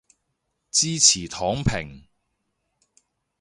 支持躺平